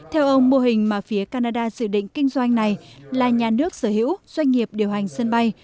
theo ông mô hình mà phía canada dự định kinh doanh này là nhà nước sở hữu doanh nghiệp điều hành sân bay